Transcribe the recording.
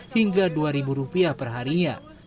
hingga rp dua perharinya